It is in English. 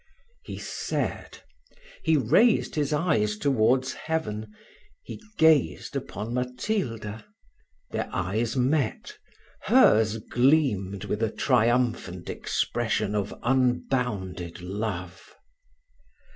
He said he raised his eyes towards heaven he gazed upon Matilda. Their eyes met hers gleamed with a triumphant expression of unbounded love.